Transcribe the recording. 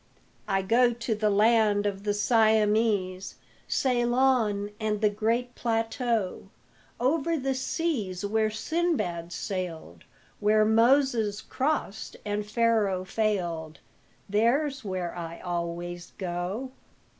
I go to the land of the Siamese, Ceylon and the Great Plateau, Over the seas where Sinbad sailed, Where Moses crossed and Pharaoh failed, There's where I always go.